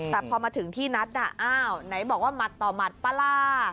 แต่พอมาถึงที่นัดน่ะอ้าวไหนบอกว่าหมัดต่อหมัดปะล่า